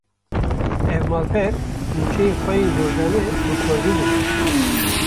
Ev malper, nûçeyên xwe yên rojane bi Kurdî dide